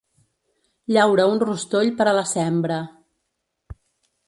Llaura un rostoll per a la sembra.